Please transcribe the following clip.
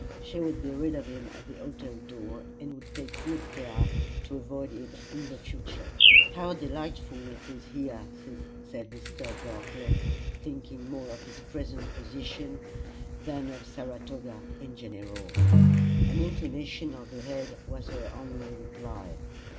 She would be rid of him at the hotel door, and would take good care to avoid him in the future. "How delightful it is here!" said Mr. Bartlett, thinking more of his present position than of Saratoga in general. An inclination of the head was her only reply.